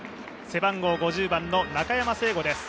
背番号５０番の中山誠吾です。